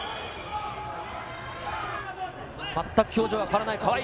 全く表情が変わらない川井。